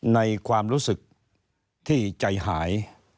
ในความรู้สึกที่ใจหาย